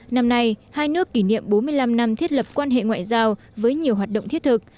năm nay hai nước kỷ niệm bốn mươi năm năm thiết lập quan hệ ngoại giao với nhiều hoạt động thiết thực